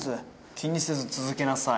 気にせず続けなさい。